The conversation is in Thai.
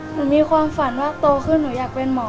มีความฝันว่าโตขึ้นหนูอยากเป็นหมอ